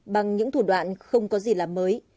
bằng những thủ đoạn không có gì là mới